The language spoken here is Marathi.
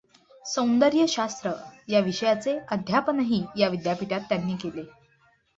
सौंदर्यशास्त्र या विषयाचे अध्यापनही या विद्यापीठात त्यांनी केले.